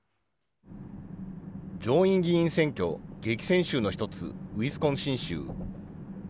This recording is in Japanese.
上院議員選挙、激戦州の１つ、ウィスコンシン州。